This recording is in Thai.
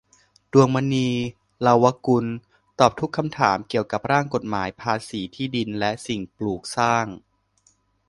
ดวงมณี เลาวกุล ตอบทุกคำถามเกี่ยวกับร่างกฎหมายภาษีที่ดินและสิ่งปลูกสร้าง